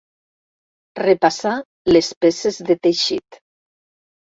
Repassar les peces de teixit.